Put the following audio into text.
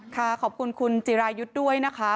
ขอบคุณคุณจิรายุทธ์ด้วยนะคะ